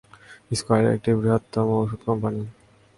square একটি বৃহত্তম ঔষুধ কম্পানি